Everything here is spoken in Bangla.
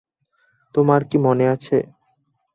তোমার কি মনে আছে?